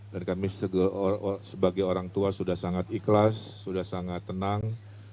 dan kami sebagai orang tua sudah sangat ikhlas sudah sangat tenang